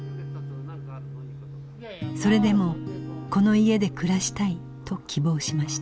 それでもこの家で暮らしたいと希望しました。